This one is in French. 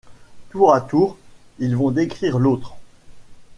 Tour à tour, ils vont décrire l’autre.